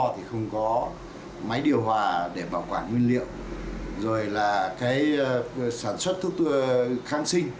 thì không có máy điều hòa để bảo quản nguyên liệu rồi là cái sản xuất thuốc kháng sinh